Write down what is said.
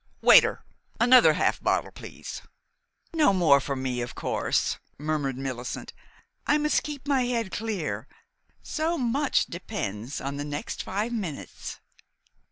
Waiter, another half bottle, please." "No more for me, of course," murmured Millicent. "I must keep my head clear, so much depends on the next five minutes."